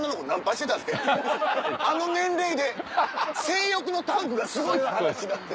あの年齢で性欲のタンクがすごいって話になって。